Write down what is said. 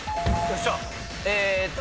えーっと。